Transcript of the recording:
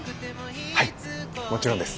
はいもちろんです。